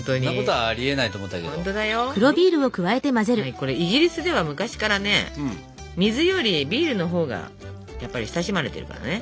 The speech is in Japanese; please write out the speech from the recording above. これイギリスでは昔からね水よりビールのほうがやっぱり親しまれてるからね。